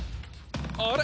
あれ？